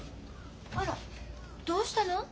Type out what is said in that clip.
あらどうしたの？